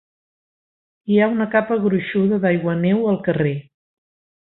Hi ha una capa gruixuda d'aiguaneu al carrer.